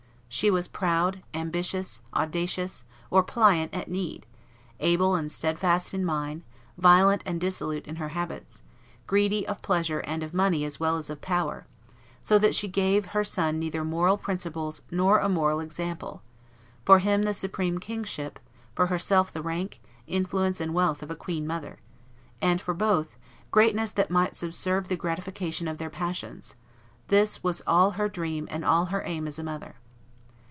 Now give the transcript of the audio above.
She was proud, ambitious, audacious, or pliant at need, able and steadfast in mind, violent and dissolute in her habits, greedy of pleasure and of money as well as of power, so that she gave her son neither moral principles nor a moral example: for him the supreme kingship, for herself the rank, influence, and wealth of a queen mother, and, for both, greatness that might subserve the gratification of their passions this was all her dream and all her aim as a mother.